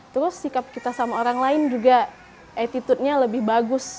terus sikap kita sama orang lain juga attitude nya lebih bagus